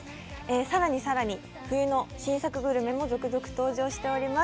更に更に冬の新作グルメも続々登場しております。